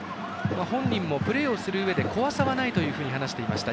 本人もプレーする上で怖さはないという話をしていました。